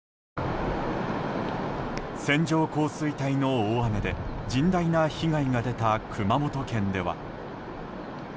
線状降水帯の大雨で甚大な被害が出た熊本県では。